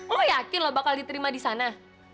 lo yakin loh bakal diterima di sana